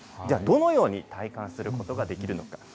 じゃあ、どのように体感することができるのか。